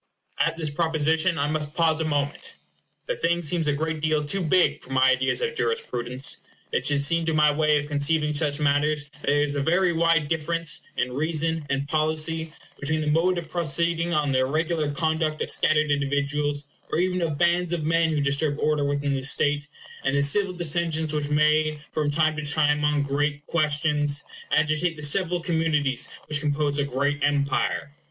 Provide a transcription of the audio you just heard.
At this proposition I must pause a moment. The thing seems a great deal too big for my ideas of jurisprudence. It should seem to my way of conceiving such matters that there is a very wide difference, in reason and policy, between the mode of proceeding on the irregular conduct of scattered individuals, or even of bands of men who disturb order within the state, and the civil dissensions which may, from time to time, on great questions, agitate the several communities which compose a great empire.